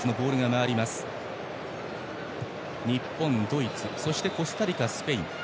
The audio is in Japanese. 日本、ドイツ、コスタリカスペイン。